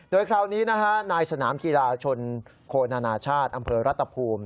โดยคราวนี้นะฮะนายสนามกีฬาชนโคนานาชาติอำเภอรัตภูมิ